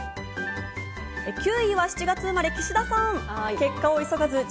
９位は７月生まれの方、岸田さん。